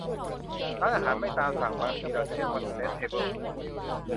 ร้านอาหารไม่ตามสั่ง บางทีเราจะเรียกว่าเชพเทเบิล